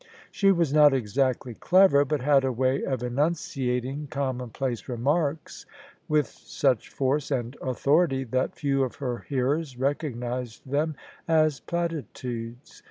She was not exactly clever: but had a way of enimciating OF ISABEL CARNABY commonplace remarks with such force and authority that few of her hearers recognised them as platitudes.